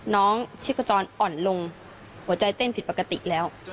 น้องชีพจรอ่อนลงหัวใจเต้นผิดปกติแล้ว